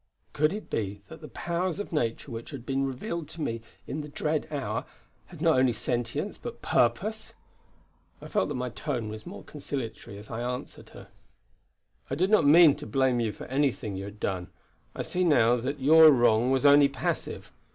Could it be that the powers of Nature which had been revealed to me in the dread hour had not only sentience but purpose! I felt that my tone was more conciliatory as I answered her: "I did not mean to blame you for anything you had done. I see now that your wrong was only passive."